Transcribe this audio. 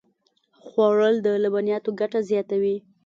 خوړل د لبنیاتو ګټه زیاتوي